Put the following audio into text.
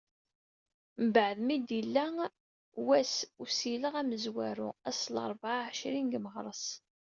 Mbeɛd mi d-yella wass n usileɣ amezwaru ass n larebɛa εecrin deg meɣres.